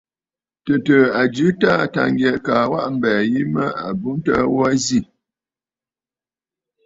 Tɨ̀tɨ̀ɨ̀ a jɨ a Taà Tâŋgyɛ kaa a waʼa mbɛ̀ɛ̀ yìi mə yu təə ghu aa bù ǹzi.